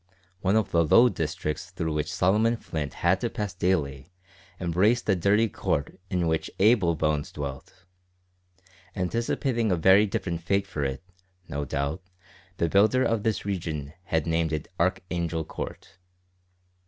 One of the low districts through which Solomon Flint had to pass daily embraced the dirty court in which Abel Bones dwelt. Anticipating a very different fate for it, no doubt, the builder of this region had named it Archangel Court.